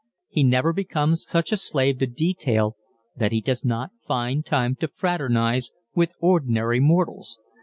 He never becomes such a slave to detail that he does not find time to fraternize with ordinary mortals.